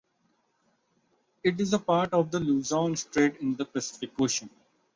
It is a part of the Luzon Strait in the Pacific Ocean.